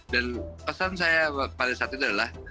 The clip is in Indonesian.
dan pesan saya pada saat itu adalah